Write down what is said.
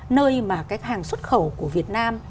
nơi mà cái hàng xuất khẩu của việt nam